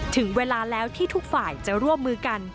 ถึงเวลาแล้วที่ทุกฝ่ายจะร่วมมือกัน